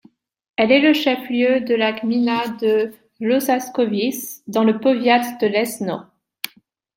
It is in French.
Elle est le chef-lieu de la gmina de Włoszakowice, dans le powiat de Leszno.